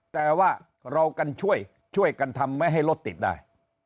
แต่ว่าเรากันช่วยกันทำไม่ให้รถติดได้